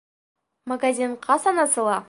Магазин ҡасан асыла?